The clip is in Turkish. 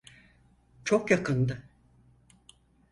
Çok yakındı.